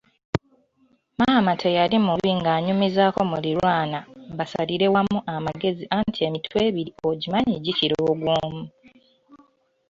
Maama teyali mubi ng'anyumizaako muliraanwa basalire wamu amagezi anti emitwe ebiri ogimanyi gikira ogw'omu.